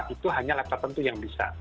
itu hanya laptop tentu yang bisa